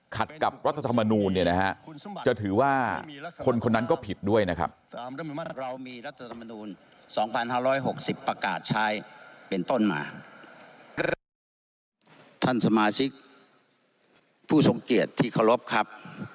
ขัดกับรัฐธรรมนูญจะถือว่าคนนั้นก็ผิดด้วยนะครับ